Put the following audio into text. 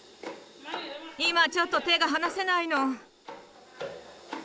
今ちょっと手が離せないの。